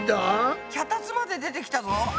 脚立まで出てきたぞ。